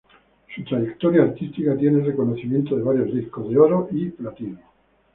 Su trayectoria artística tiene el reconocimiento de varios discos de oro y platino.